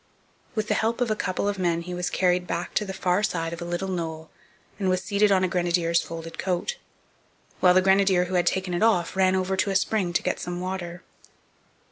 With the help of a couple of men he was carried back to the far side of a little knoll and seated on a grenadier's folded coat, while the grenadier who had taken it off ran over to a spring to get some water.